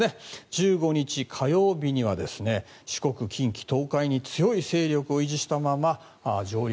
１５日火曜日には四国、近畿、東海に強い勢力を維持したまま上陸。